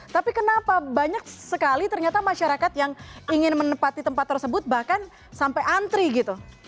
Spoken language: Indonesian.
tapi kenapa banyak sekali ternyata masyarakat yang ingin menempati tempat tersebut bahkan sampai antri gitu